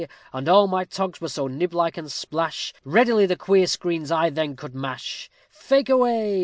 _ All my togs were so niblike and splash, Readily the queer screens I then could smash; _Fake away.